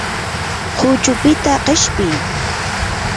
huchupita qishpi.